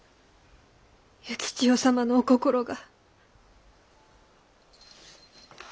幸千代様のお心が。